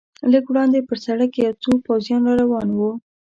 لږ وړاندې پر سړک یو څو پوځیان را روان و.